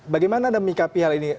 bagaimana anda menyikapi hal ini